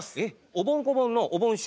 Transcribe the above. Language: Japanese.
おぼん・こぼんのおぼん師匠。